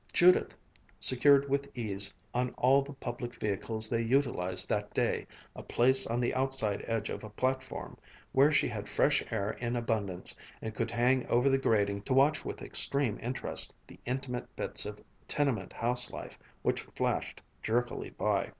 Judith secured with ease, on all the public vehicles they utilized that day, a place on the outside edge of a platform, where she had fresh air in abundance and could hang over the grating to watch with extreme interest the intimate bits of tenement house life which flashed jerkily by.